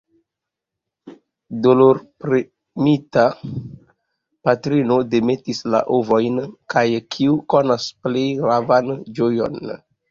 Dolorpremita, patrino demetas la ovojn, kaj, kiu konas plej ravan ĝojon?